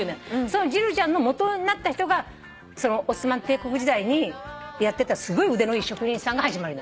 そのジルジャンの元になった人がオスマン帝国時代にやってたすごい腕のいい職人さんが始まりなの。